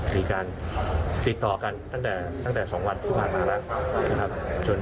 มีการติดต่อกันตั้งแต่๒วันที่ผ่านมาแล้วนะครับ